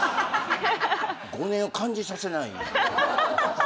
５年を感じさせない。